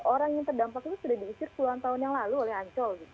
orang yang terdampak itu sudah diusir puluhan tahun yang lalu oleh ancol